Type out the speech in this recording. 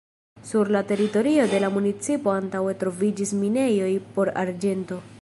Sur la teritorio de la municipo antaŭe troviĝis minejoj por arĝento.